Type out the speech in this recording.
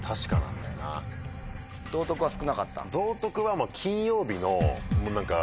道徳は少なかった？